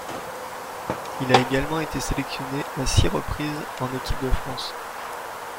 Il a également été sélectionné à six reprises en équipe de France.